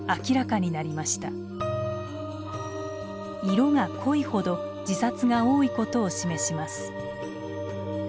色が濃いほど自殺が多いことを示します。